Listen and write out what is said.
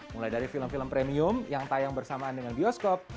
mulai dari film film premium yang tayang bersamaan dengan bioskop